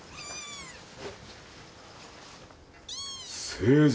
・誠治